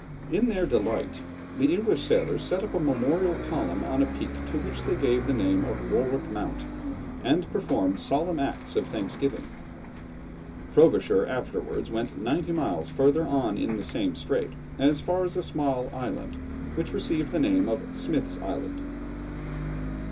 In their delight, the English sailors set up a memorial column on a peak to which they gave the name of Warwick Mount, and performed solemn acts of thanksgiving. Frobisher afterwards went ninety miles further on in the same strait, as far as a small island, which received the name of Smith's Island.